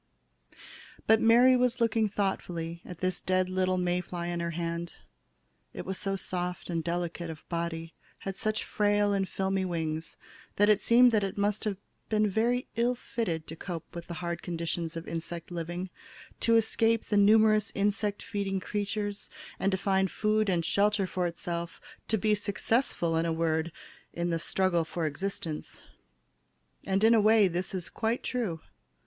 But Mary was looking thoughtfully at this dead little May fly in her hand. It was so soft and delicate of body, had such frail and filmy wings, that it seemed that it must have been very ill fitted to cope with the hard conditions of insect living, to escape the numerous insect feeding creatures and to find food and shelter for itself, to be successful, in a word, in the "struggle for existence"! And in a way, this is quite true.